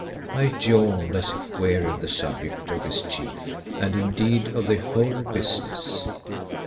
I yawned as if weary of the subject of this chief, and indeed of the whole business.